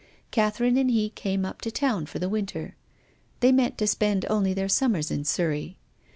Catherine and he came up to town for the winter. They meant to spend only their summers in Surrey.